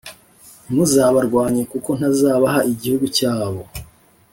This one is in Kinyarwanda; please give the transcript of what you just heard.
Ntimuzabarwanye kuko ntazabaha igihugu cyabo,